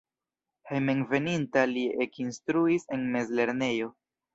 Hejmenveninta li ekinstruis en mezlernejo.